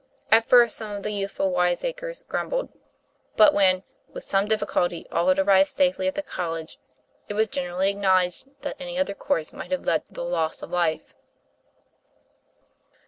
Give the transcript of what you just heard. At first some of the youthful wiseacres grumbled, but when, with difficulty, all had arrived safely at the college, it was generally acknowledged that any other course might have led to the loss of life.